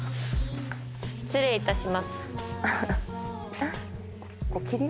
失礼いたします。